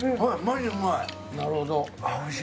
なるほど。